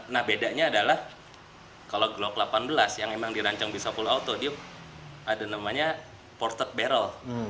nah bedanya adalah kalau glock delapan belas yang emang dirancang bisa full auto dia ada namanya ported barrel